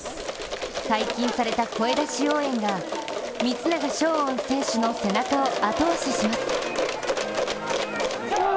解禁された声出し応援が光永翔音選手の背中を後押しします。